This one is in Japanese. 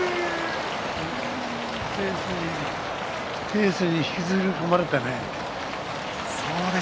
ペースに引きずり込まれたね。